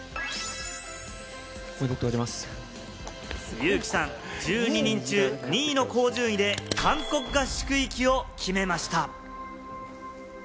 ユウキさん、１２人中２位の好順位で、韓国合宿行きを決めました。